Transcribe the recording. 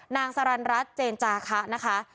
นางสรรรณรัฐเจนจาคะ